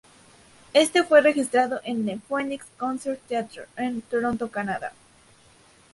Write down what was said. Este fue registrado en el Phoenix Concert Theatre en Toronto, Canadá.